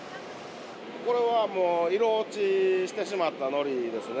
これはもう色落ちしてしまったのりですね。